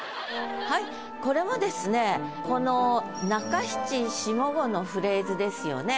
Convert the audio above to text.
はいこれはこの中七下五のフレーズですよね。